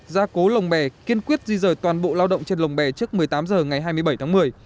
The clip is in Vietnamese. gia cố lồng bè kiên quyết di rời toàn bộ lao động trên lồng bè trước một mươi tám h ngày hai mươi bảy tháng một mươi